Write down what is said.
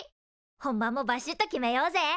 本番もバシッと決めようぜ！